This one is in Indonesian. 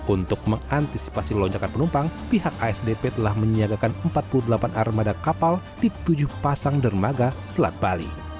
untuk mengantisipasi lonjakan penumpang pihak asdp telah menyiagakan empat puluh delapan armada kapal di tujuh pasang dermaga selat bali